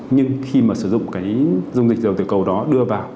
nhưng khi mà sử dụng cái dung dịch dầu từ cầu đó đưa vào